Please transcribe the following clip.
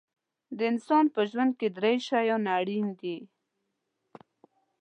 د انسان په ژوند کې درې شیان اړین دي.